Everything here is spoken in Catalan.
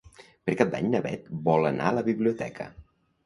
Per Cap d'Any na Beth vol anar a la biblioteca.